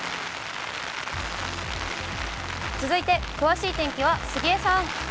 続いて詳しい天気は杉江さん。